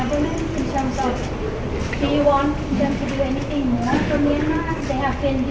เพราะว่าเราต้องรักษาอินเตอร์